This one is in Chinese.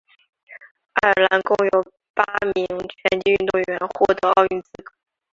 爱尔兰共有八名拳击运动员获得奥运资格。